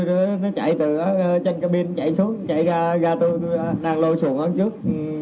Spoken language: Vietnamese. vợ tôi ấm con tôi nó chạy từ trên cabin chạy xuống chạy ra tui năn lô xuồng ở trước